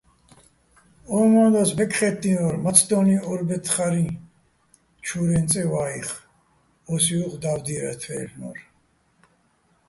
ო მო́ნდვას ბეკხე́თდინო́რ, მაცდო́ლიჼ ო́რბეთღარიჼ ჩურენი წე ვაიხ, ო́სი უ̂ხ და́ვიდიენთვაჲ-აჲლ'ნო́რ.